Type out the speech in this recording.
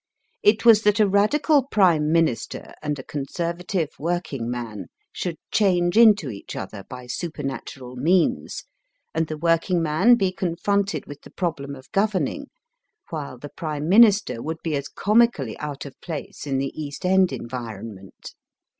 It was that a Radical Prime Minister and a Conserva tive working man should change into each other by super natural means, and the working man be confronted with the problem of governing, while the Prime Minister should be as comically out of place in the East End environment.